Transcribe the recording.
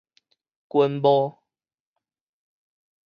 軍帽